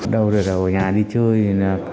đâu rồi là ở nhà đi chơi